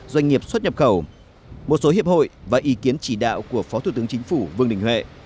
doanh nghiệp xuất nhập khẩu một số hiệp hội và ý kiến chỉ đạo của phó thủ tướng chính phủ vương đình huệ